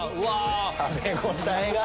食べ応えが。